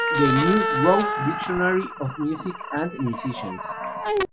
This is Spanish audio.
The New Grove; Dictionary of Music and Musicians.